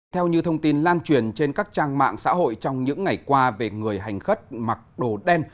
theo như thông tin lan truyền trên các trang mạng xã hội trong những ngày qua về người hành khất mặc đồ đen